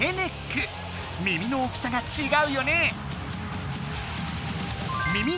耳の大きさがちがうよね！